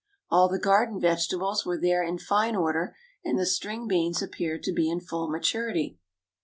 All the garden vegetables were there in fine order; and the string beans appeared to be in full maturity.